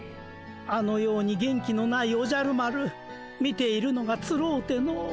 あのように元気のないおじゃる丸見ているのがつろうての。